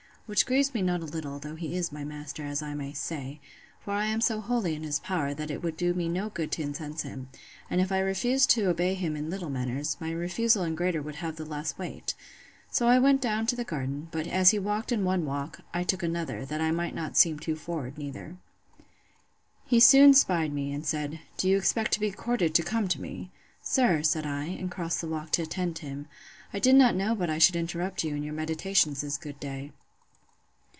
which grieves me not a little, though he is my master, as I may say; for I am so wholly in his power, that it would do me no good to incense him; and if I refused to obey him in little matters, my refusal in greater would have the less weight. So I went down to the garden; but as he walked in one walk, I took another, that I might not seem too forward neither. He soon 'spied me, and said, Do you expect to be courted to come to me? Sir, said I, and crossed the walk to attend him, I did not know but I should interrupt you in your meditations this good day.